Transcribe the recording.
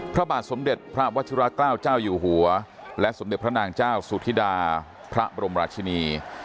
พระบาทสมเด็จพระวัชิราเกล้าเจ้าอยู่หัวและสมเด็จพระนางเจ้าสุธิดาพระบรมราชินี